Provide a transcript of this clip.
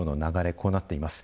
こうなっています。